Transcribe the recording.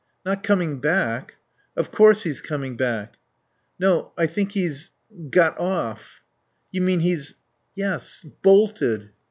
"Not coming back? Of course he's coming back." "No. I think he's got off." "You mean he's " "Yes. Bolted."